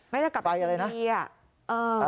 ไม่ได้กลับไปทานไฟเก่า